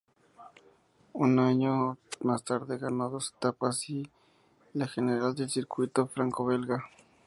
Un año más tarde ganó dos etapas y la general del Circuito Franco-Belga.